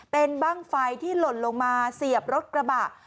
เป็นบ้างไฟที่หล่นลงมาเสียบรถกระบะ